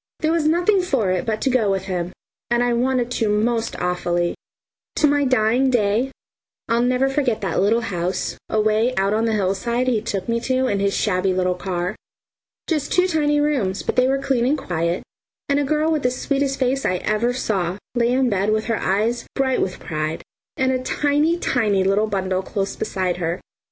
There was nothing for it but to go with him, and I wanted to most awfully. To my dying day I'll never forget that little house, away out on the hillside, he took me to in his shabby little car. Just two tiny rooms, but they were clean and quiet, and a girl with the sweetest face I ever saw, lay in the bed with her eyes bright with pride, and a tiny, tiny little bundle close beside her.